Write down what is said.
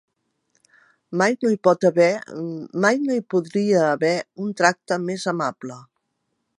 Mai no hi pot haver, mai no hi podria haver un tracte més amable.